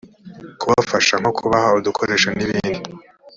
kubafasha nko kubaha udukoresho n’ibindi